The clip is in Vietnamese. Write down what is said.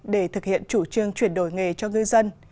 để thực hiện chủ trương chuyển đổi nghề cho ngư dân